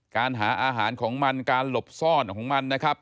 การหาอาหารของมันการหลบซ่อนของมันนะครับ